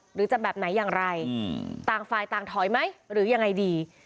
หรือจะแบบไหนอย่างไรต่างฝ่ายต่างถอยไหมหรือยังไงดี